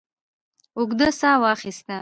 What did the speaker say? اوږده ساه واخسته.